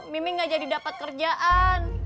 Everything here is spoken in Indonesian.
miming gak jadi dapat kerjaan